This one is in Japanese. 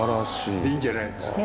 いいんじゃないですか。